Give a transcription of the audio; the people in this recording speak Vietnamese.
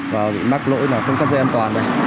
và bị mắc lỗi không cắt dây an toàn